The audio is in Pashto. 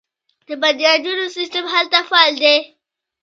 د بنیادونو سیستم هلته فعال دی.